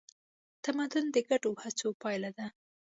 تمدن د ګډو هڅو پایله ده.